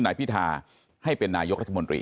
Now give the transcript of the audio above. นายพิธาให้เป็นนายกรัฐมนตรี